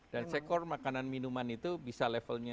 dan sektor makanan minuman itu bisa levelnya